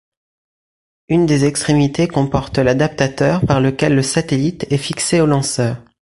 Une des extrémités comporte l'adaptateur par lequel le satellite est fixé au lanceur.